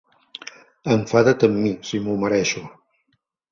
Enfadat amb mi si m'ho mereixo.